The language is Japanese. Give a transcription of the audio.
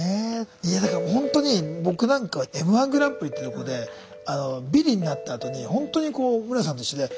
いやだからほんとに僕なんかはＭ−１グランプリってとこでビリになったあとにほんとに室屋さんと一緒で恥ずかしい。